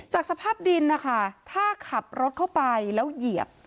สภาพดินนะคะถ้าขับรถเข้าไปแล้วเหยียบ